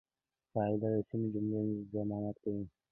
قاعده د سمي جملې ضمانت دئ.